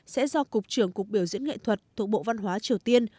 sẽ do cục trưởng cục biểu diễn nghệ thuật thuộc bộ văn hóa triều tiên